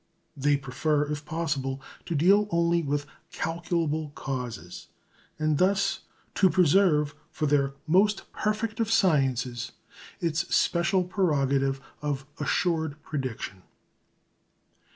They prefer, if possible, to deal only with calculable causes, and thus to preserve for their "most perfect of sciences" its special prerogative of assured prediction.